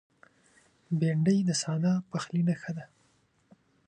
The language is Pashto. بېنډۍ د ساده پخلي نښه ده